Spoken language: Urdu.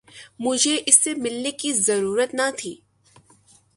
مجھے اسے ملنے کی ضرورت نہ تھی